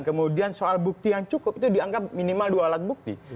kemudian soal bukti yang cukup itu dianggap minimal dua alat bukti